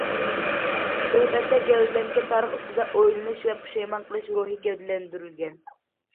سۆھبەتتە گەۋدىلەنگەن تارىخ ئۈستىدە ئويلىنىش ۋە پۇشايمان قىلىش روھى گەۋدىلەندۈرۈلگەن.